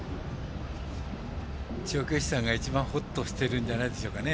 調教師さんが一番ほっとしてるんじゃないでしょうかね。